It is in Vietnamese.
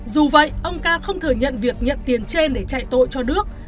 dù vậy ông ca không thừa nhận việc nhận tiền trên để chạy tội cho đước